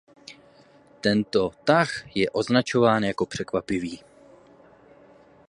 Tento tah je označován jako překvapivý.